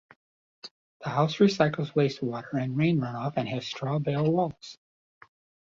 The house recycles waste water and rain runoff and has straw-bale walls.